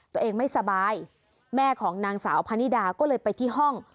ตัวเองไม่สบายแม่ของนางสาวพะนิดาก็เลยไปที่ห้อง